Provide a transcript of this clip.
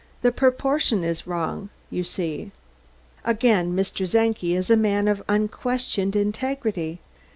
The proportion is wrong, you see. Again, Mr. Czenki is a man of unquestioned integrity.